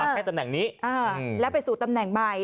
ให้ตำแหน่งนี้แล้วไปสู่ตำแหน่งใหม่